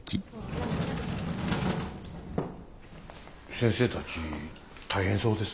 先生たち大変そうですね。